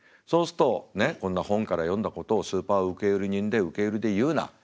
そうするとねっ「こんな本から読んだことをスーパー受け売り人で受け売りで言うな。